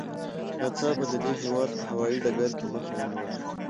ناڅاپه د دې هېواد په هوايي ډګر کې مخه ونیول شوه.